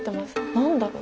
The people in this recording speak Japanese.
何だろう。